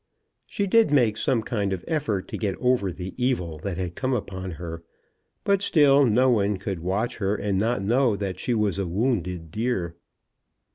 She did make some kind of effort to get over the evil that had come upon her; but still no one could watch her and not know that she was a wounded deer.